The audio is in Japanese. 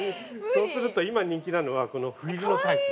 ◆そうすると、今人気なのがこのフリルのタイプ。